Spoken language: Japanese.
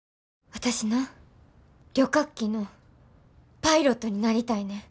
私な旅客機のパイロットになりたいねん。